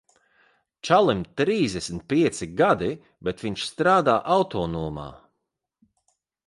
Čalim trīsdesmit pieci gadi, bet viņš strādā autonomā.